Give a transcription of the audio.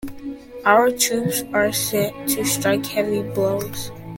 Our troops are set to strike heavy blows.